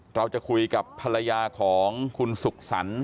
เราจะคุยกับภรรยาของคุณสุขสรรค์